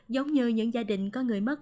giống như những gia đình có người mất